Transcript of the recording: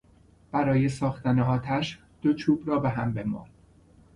برای ساختن آتش دو چوب را به هم بمال.